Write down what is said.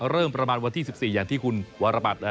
เริ่มประมาณวันที่๑๔อย่างที่คุณวรบัตร